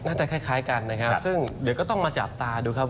คล้ายกันนะครับซึ่งเดี๋ยวก็ต้องมาจับตาดูครับ